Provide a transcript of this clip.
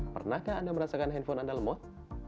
pernahkah anda merasakan handphone anda lemot